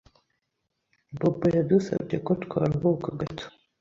Bobo yadusabye ko twaruhuka gato.